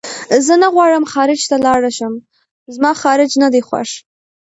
زه نه غواړم خارج ته لاړ شم زما خارج نه دی خوښ